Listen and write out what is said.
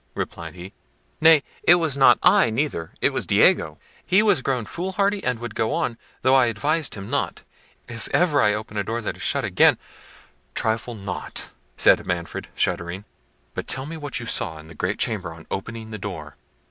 replied he—"nay, it was not I neither; it was Diego: he was grown foolhardy, and would go on, though I advised him not—if ever I open a door that is shut again—" "Trifle not," said Manfred, shuddering, "but tell me what you saw in the great chamber on opening the door."